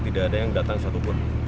tidak ada yang datang satupun